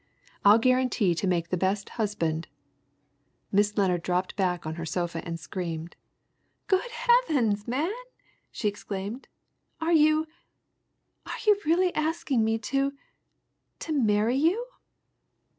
I'll guarantee to make the best husband " Miss Lennard dropped back on her sofa and screamed. "Good heavens, man?" she exclaimed. "Are you are you really asking me to to marry you?"